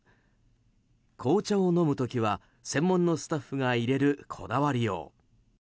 紅茶を飲む時は専門のスタッフがいれるこだわりよう。